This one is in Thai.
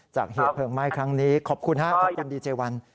จากเหยียดเพลิงไม้ครั้งนี้ขอบคุณครับขอบคุณดีเจอัลวัน